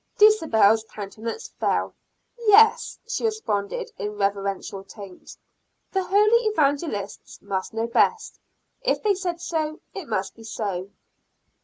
Dulcibel's countenance fell. "Yes," she responded in reverential tones, "the holy Evangelists must know best. If they said so, it must be so."